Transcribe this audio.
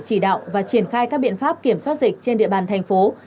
chỉ đạo và triển khai các biện pháp kiểm soát dịch trên địa bàn tp hcm